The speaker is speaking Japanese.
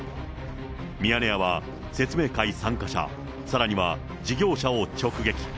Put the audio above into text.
ミヤネ屋は説明会参加者、さらには事業者を直撃。